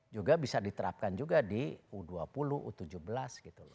juga bisa diterapkan juga di u dua puluh u tujuh belas gitu loh